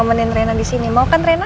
nomenin rena disini mau kan rena